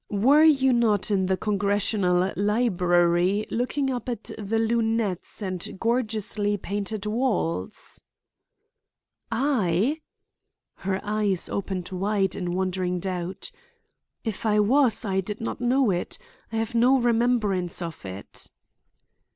"Were you not in the Congressional Library looking up at the lunettes and gorgeously painted walls?" "I?" Her eyes opened wide in wondering doubt. "If I was, I did not know it. I have no remembrance of it."